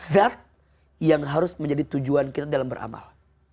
zat yang harus menjadi tujuan kita dalam beramal